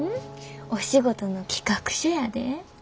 お仕事の企画書やで。